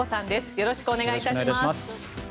よろしくお願いします。